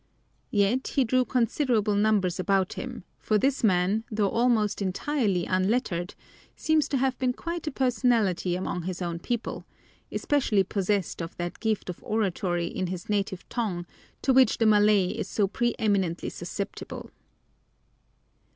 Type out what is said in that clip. Yet he drew considerable numbers about him, for this man, though almost entirely unlettered, seems to have been quite a personality among his own people, especially possessed of that gift of oratory in his native tongue to which the Malay is so preeminently susceptible.